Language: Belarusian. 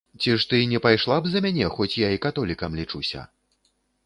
Ці ж ты не пайшла б за мяне, хоць я і католікам лічуся?